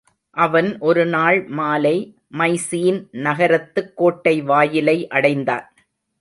அவன் ஒரு நாள் மாலை மைசீன் நகரத்துக் கோட்டை வாயிலை அடைந்தான்.